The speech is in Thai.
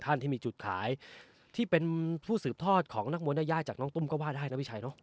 ท่านที่มีจุดขายที่เป็นผู้สืบทอดของนักมวยได้ย่าจากน้องตุ้มก็ว่าได้นะพี่ชัยเนอะ